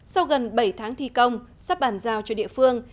sau gần bảy tháng thi công sắp bàn giao cho địa phương